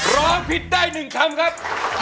ร้องผิดได้๑คำครับ